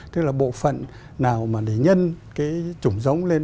tức là bộ phận nào mà để nhân cái chủng giống lên